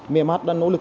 miamat đang nỗ lực